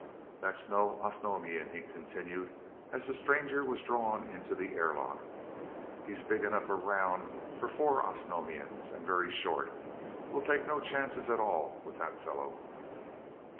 "That's no Osnomian," he continued, as the stranger was drawn into the airlock. "He's big enough around for four Osnomians, and very short. We'll take no chances at all with that fellow."